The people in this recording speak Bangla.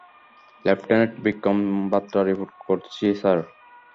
লেফটেন্যান্ট বিক্রম বাতরা রিপোর্ট করছি, স্যার।